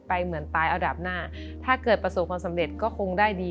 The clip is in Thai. เหมือนตายอันดับหน้าถ้าเกิดประสบความสำเร็จก็คงได้ดี